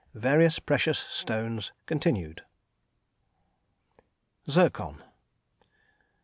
VARIOUS PRECIOUS STONES continued. _Zircon.